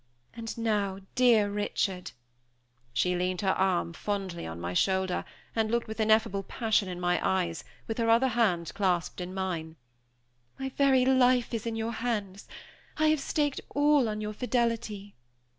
And now, dear Richard" (she leaned her arm fondly on my shoulder, and looked with ineffable passion in my eyes, with her other hand clasped in mine), "my very life is in your hands; I have staked all on your fidelity."